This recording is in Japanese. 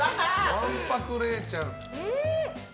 わんぱくれいちゃん！